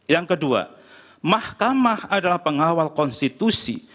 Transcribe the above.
yang kedua mahkamah adalah pengawal konstitusi